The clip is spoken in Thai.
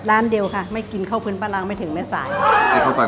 ร้านเดียวค่ะไม่กินข้าวพื้นป้ารังไม่ถึงแม่สาย